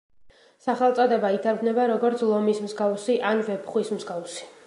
სახელწოდება ითარგმნება როგორც „ლომის მსგავსი“ ან „ვეფხვის მსგავსი“.